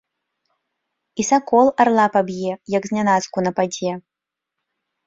І сакол арла паб'е, як знянацку нападзе.